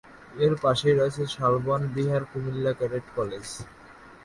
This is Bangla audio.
এর পাশেই রয়েছে শালবন বিহার, কুমিল্লা ক্যাডেট কলেজ।